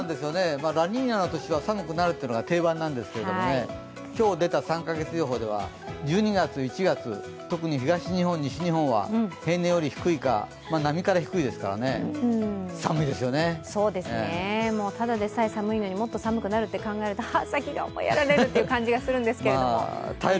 ラニーニャの年は寒くなるというのが定番なんですけどね、今日出た３か月予報では１２月、１月、特に東日本、西日本は例年より低いか、並みから低いですね、ただでさえ寒いのにもっと寒くなるって考えると先が思いやられるという感じがしますけど。